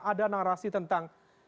ada narasi tentang